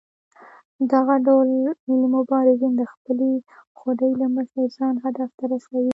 دغه ډول ملي مبارزین د خپلې خودۍ له مخې ځان هدف ته رسوي.